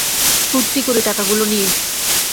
ফুর্তি করি টাকাগুলো নিয়ে।